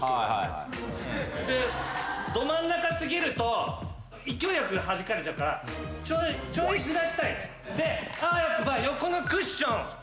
でど真ん中過ぎると勢いよくはじかれちゃうからちょいずらしたいね。であわよくば横のクッション。